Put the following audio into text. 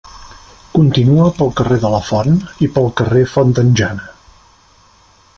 Continua pel carrer de la Font i pel carrer Font d'en Jana.